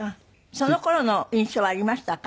その頃の印象はありましたか？